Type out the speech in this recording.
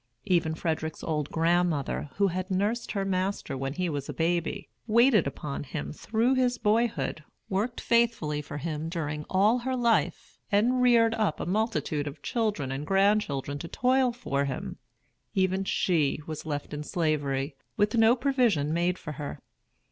Even Frederick's old grandmother, who had nursed her master when he was a baby, waited upon him through his boyhood, worked faithfully for him during all her life, and reared up a multitude of children and grandchildren to toil for him, even she was left in Slavery, with no provision made for her.